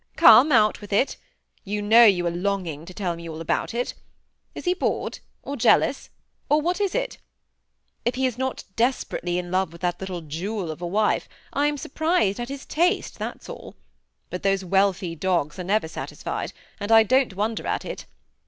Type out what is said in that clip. Come, out with it; you know you are longing to tell me all about it; is he bored? or jealous, or what is it ? If he is not desperately in love with that little jewel of a wife, I am surprised at his taste, that's all ; but those wealthy dogs never are satis fied, and I don't wonder at it.